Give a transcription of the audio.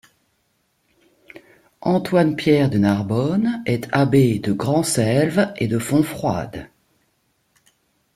Antoine Pierre de Narbonne est abbé de Grand Selve et de Fontfroide.